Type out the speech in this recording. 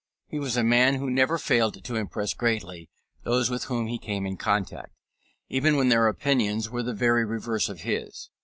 He was a man who never failed to impress greatly those with whom he came in contact, even when their opinions were the very reverse of his.